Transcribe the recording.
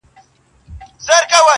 هره ورځ لکه پسونه کبابیږو لاندي باندي -